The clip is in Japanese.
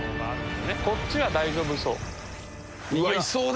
こっちは大丈夫そう。